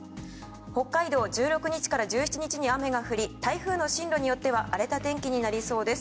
北海道１６日から１７日に雨が降り台風の進路によっては荒れた天気になりそうです。